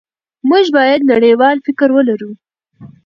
موږ باید نړیوال فکر ولرو.